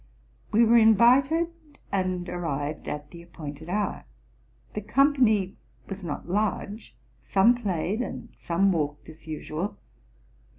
We were invited, and arrived at the ap pointed hour. The company was not large: some played and some walked as usual.